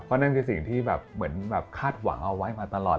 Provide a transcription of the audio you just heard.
เพราะนั่นคือสิ่งที่คาดหวังเอาไว้มาตลอด